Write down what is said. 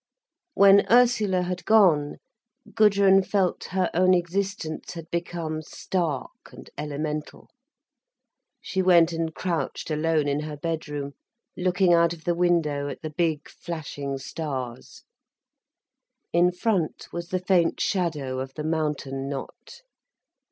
When Ursula had gone, Gudrun felt her own existence had become stark and elemental. She went and crouched alone in her bedroom, looking out of the window at the big, flashing stars. In front was the faint shadow of the mountain knot.